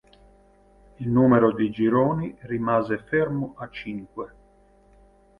Il numero di gironi rimase fermo a cinque.